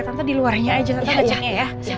tante di luarnya aja tante kecangnya ya